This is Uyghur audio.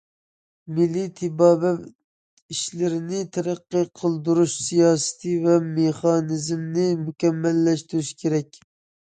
مىللىي تېبابەت ئىشلىرىنى تەرەققىي قىلدۇرۇش سىياسىتى ۋە مېخانىزمىنى مۇكەممەللەشتۈرۈش كېرەك.